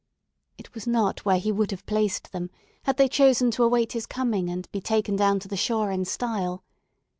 It was not where he would have placed them, had they chosen to await his coming and be taken down to the shore in style.